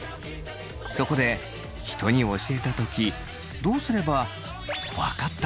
そこで人に教えた時どうすれば分かった！